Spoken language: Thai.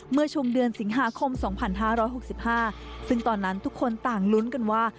เมื่อช่วงเดือนสิงหาคมสองพันห้าร้อยหกสิบห้าซึ่งตอนนั้นทุกคนต่างลุ้นกันว่า